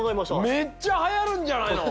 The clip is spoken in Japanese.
めっちゃはやるんじゃないの？